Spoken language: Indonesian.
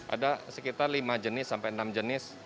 ada sekitar lima enam jenis